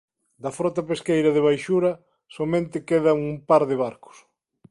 Da frota pesqueira de baixura soamente quedan un par de barcos.